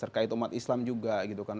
terkait umat islam juga gitu kan